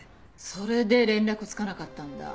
それで連絡つかなかったんだ。